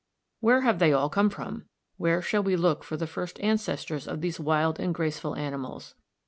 Where have they all come from? Where shall we look for the first ancestors of these wild and graceful animals?